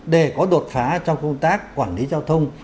để có đột phá trong công tác quản lý giao thông